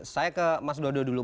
saya ke mas dodo dulu